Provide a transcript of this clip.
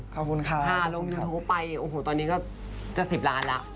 ขอบคุณค่ะขอบคุณค่ะค่ะลงยูทูปไปโอ้โหตอนนี้ก็จะ๑๐ล้านล่ะ